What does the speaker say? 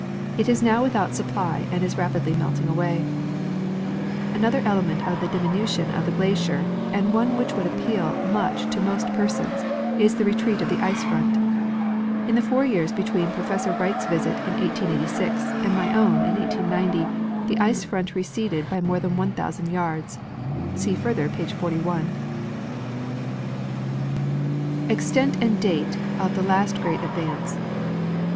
It is now without supply, and is rapidly melting awa5^ Another element of the diminution of the glacier, and one which would appeal much to most persons, is the retreat of the ice front. In the four years between Professor Wright's visit, in 1886, and my own, in 1890, the ice front receded more than 1,000 yards (see further, page 41). Extent and Date of the last great Advance.